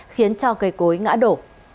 khiến cho cây cối ngã đổ